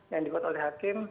yang dibuat oleh hakim